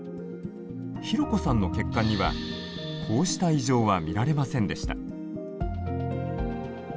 ひろこさんの血管にはこうした異常は見られませんでした。